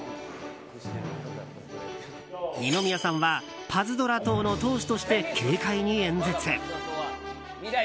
二宮さんはパズドラ党の党首として軽快に演説。